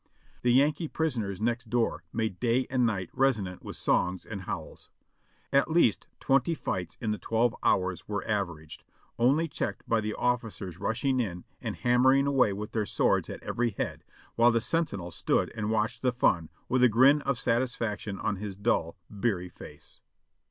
The Yankee prisoners next door made day and night resonant with songs and howls. At least twenty fights in the twelve hours were averaged, only checked by the officers rushing in and hammering away with their swords at every head, while the sen tinel stood and watched the fun with a grin of satisfaction on his dull, beery face.